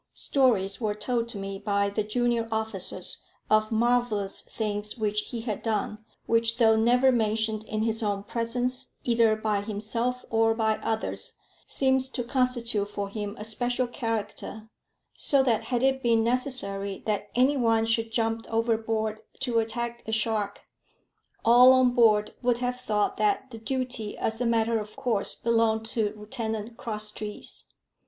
Stories were told to me by the junior officers of marvellous things which he had done, which, though never mentioned in his own presence, either by himself or by others, seemed to constitute for him a special character, so that had it been necessary that any one should jump overboard to attack a shark, all on board would have thought that the duty as a matter of course belonged to Lieutenant Crosstrees.